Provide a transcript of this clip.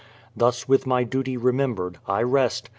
Thus with my duty remembered, I rest.